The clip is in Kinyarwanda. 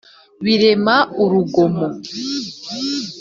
Birema urugomo